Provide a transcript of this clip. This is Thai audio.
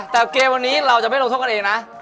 แต่เกมวันนี้เราจะไม่ลงโทษกันเองนะ